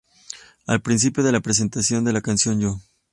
Al principio de la presentación de la canción ""Yo!